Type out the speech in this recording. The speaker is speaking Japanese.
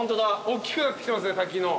おっきくなってきてますね滝の。